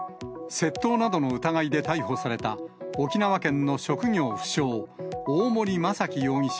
窃盗などの疑いで逮捕された沖縄県の職業不詳、大森正樹容疑者